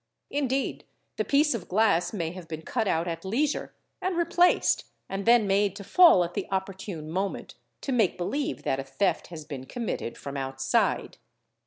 Indeed the piece of glass may have been cut out at leisure © and replaced and then made to fall at the opportune moment, to make — believe that a theft has been committed from outside.